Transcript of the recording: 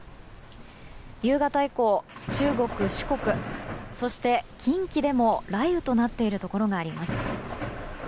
夕方以降、中国・四国そして近畿でも雷雨となっているところがあります。